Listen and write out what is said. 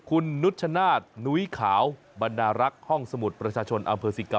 คุณนุชนาธิ์หนุ้ยขาวบรรดารักษ์ห้องสมุดประชาชนอำเภอ๑๙